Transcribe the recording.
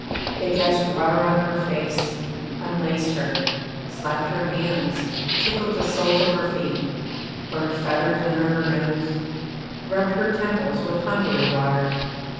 They dashed water on her face, unlaced her, slapped her hands, tickled the soles of her feet, burned feathers under her nose, rubbed her temples with Hungary water.